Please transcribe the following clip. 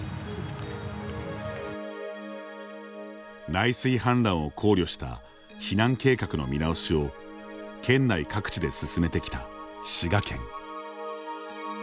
内水氾濫を考慮した避難計画の見直しを県内各地で進めてきた滋賀県。